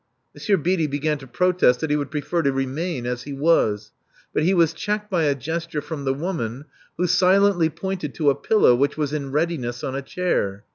Monsieur Beatty began to protest that he would prefer to remain as he was; but he was checked by a gesture from the woman, who silently pointed to a pillow which was in readiness on a chair.